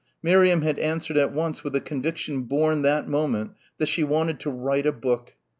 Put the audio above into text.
Miriam had answered at once with a conviction born that moment that she wanted to "write a book."